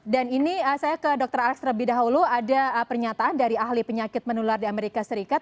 ini saya ke dr alex terlebih dahulu ada pernyataan dari ahli penyakit menular di amerika serikat